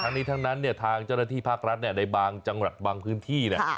ทั้งนี้ทั้งนั้นเนี่ยทางเจ้าหน้าที่ภาครัฐเนี่ยในบางจังหวัดบางพื้นที่เนี่ย